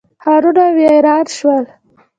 ښارونه ویران شول.